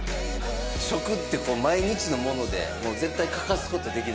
食って毎日のものでもう絶対欠かすことできないですから。